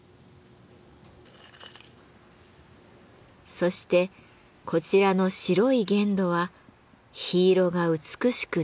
そしてこちらの白い原土は火色が美しく出るもの。